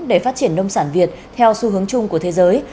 để phát triển nông sản việt theo xu hướng chung của thế giới